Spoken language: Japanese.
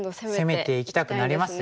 攻めていきたくなりますよね。